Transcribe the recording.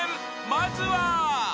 まずは］